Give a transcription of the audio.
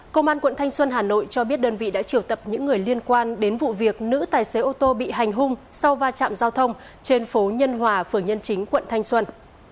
công an quận thanh xuân hà nội cho biết đơn vị đã triệu tập những người liên quan đến vụ việc nữ tài xế ô tô bị hành hung sau va chạm giao thông trên phố nhân hòa phường nhân chính quận thanh xuân